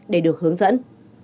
để được hướng dẫn